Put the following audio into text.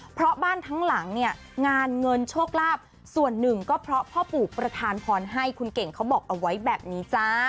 เพราะบ้านทั้งหลังเนี่ยงานเงินโชคลาภส่วนหนึ่งก็เพราะพ่อปู่ประธานพรให้คุณเก่งเขาบอกเอาไว้แบบนี้จ้า